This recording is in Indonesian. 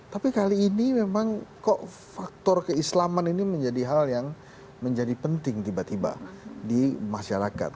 tapi kali ini memang kok faktor keislaman ini menjadi hal yang menjadi penting tiba tiba di masyarakat